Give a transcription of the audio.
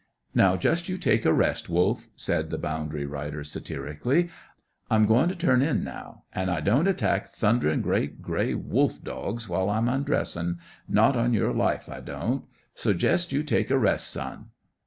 "Now, just you take a rest, Wolf," said the boundary rider, satirically. "I'm goin' to turn in now, an' I don't attack thunderin' great grey wolf dogs while I'm undressin'; not on your life I don't; so jest you take a rest, son.